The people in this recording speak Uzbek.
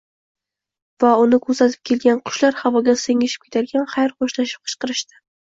va uni kuzatib kelgan qushlar havoga singishib ketarkan, xayr-xo‘shlashib qichqirishdi: